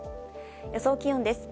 予想気温です。